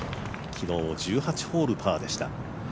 昨日も１８ホール、パーでした。